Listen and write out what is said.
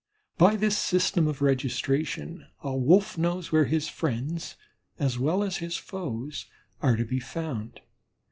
By this system of registration a Wolf knows where his friends, as well as his foes, are to be found.